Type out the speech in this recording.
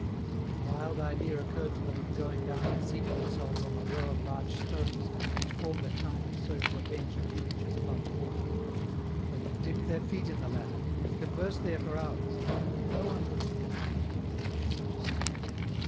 The wild idea occurred to them of going down and seating themselves on a row of large stones which formed a kind of circular bench at a few inches above the water. They would dip their feet in the latter, converse there for hours, and no one would think of coming to look for them in such a spot.